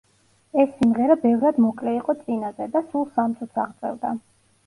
ეს სიმღერა ბევრად მოკლე იყო წინაზე და სულ სამ წუთს აღწევდა.